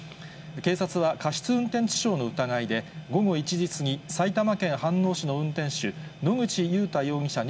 警察は、過失運転致傷の疑いで、午後１時過ぎ、埼玉県飯能市の運転手、野口祐太容疑者